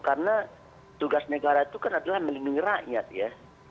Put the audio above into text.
karena tugas negara itu kan adalah melindungi rakyat ya